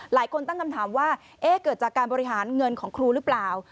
หลายคนตั้งคำถามว่าเกิดจากการบริหารเงินของครูหรือเปล่า